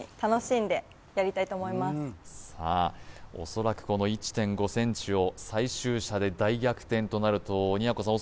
おそらくこの１．５ｃｍを最終射で大逆転となると鬼奴さん